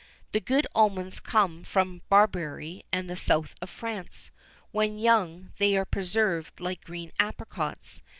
The good almonds come from Barbary and the south of France. When young, they are preserved like green apricots.